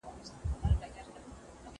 زه کولای سم لوبه وکړم،